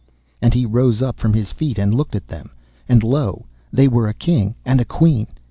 And he rose up from his feet, and looked at them, and lo! they were a King and a Queen.